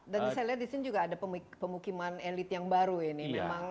dan saya lihat di sini juga ada pemukiman elit yang baru ini